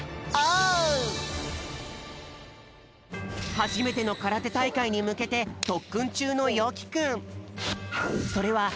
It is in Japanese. はじめてのからてたいかいにむけてとっくんちゅうのよきくん。